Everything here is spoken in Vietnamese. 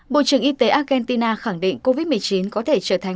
bộ trưởng y tế argentina khẳng định covid một mươi chín có thể trở thành